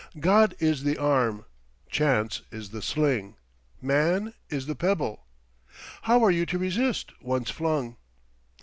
God is the arm, chance is the sling, man is the pebble. How are you to resist, once flung?